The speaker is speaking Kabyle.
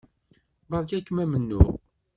Beṛka-kem amennuɣ.